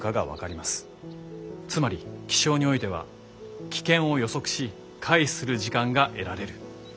つまり気象においては危険を予測し回避する時間が得られる。